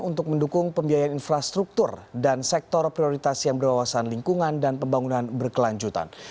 untuk mendukung pembiayaan infrastruktur dan sektor prioritas yang berwawasan lingkungan dan pembangunan berkelanjutan